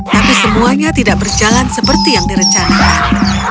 tapi semuanya tidak berjalan seperti yang direncanakan